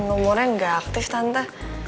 numernya gak aktif tante